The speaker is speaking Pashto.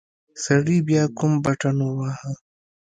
سړي بيا کوم بټن وواهه.